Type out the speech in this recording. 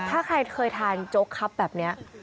ถ้าใครเคยทานโจ๊กครับแบบนี้